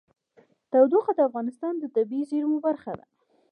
تودوخه د افغانستان د طبیعي زیرمو برخه ده.